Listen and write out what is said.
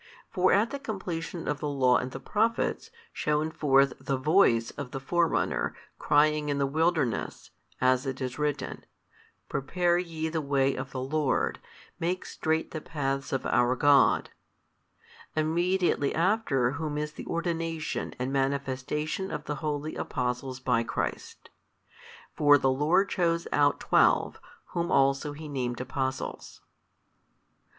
For at the completion of the law and the Prophets, shone forth the voice of the forerunner crying in the wilderness (as it is written) Prepare ye the way of the Lord, make straight the paths of our God; immediately after whom is the ordination and manifestation of the holy Apostles by Christ. For the Lord chose out twelve, whom also He named Apostles.